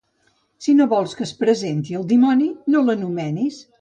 Si no vols que es presenti el dimoni, no l'anomenis.